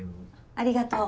ありがとう。